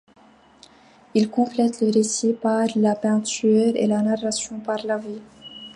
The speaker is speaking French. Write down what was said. Il complète le récit par la peinture, et la narration par la vie.